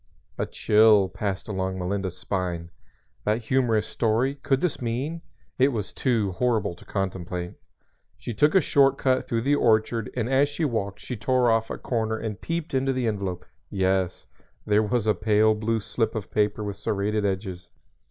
A chill passed along Melinda's spine. That humorous story Could this mean? It was too horrible to contemplate. She took a short cut through the orchard and as she walked she tore off a corner and peeped into the envelope. Yes, there was a pale blue slip of paper with serrated edges.